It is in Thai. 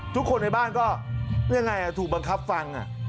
ทุกคนในบ้านก็ยังไงถูกบังคับฟัง